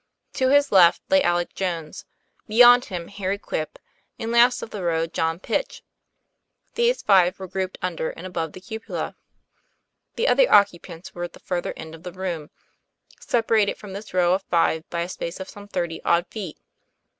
To his left lay Alec Jones; beyond him Harry Quip, and, last of the row, John Pitch. These five were grouped under and about the cupola. The other occupants were at the further end of the room, separated from this row of five by a space of some thirty odd feet.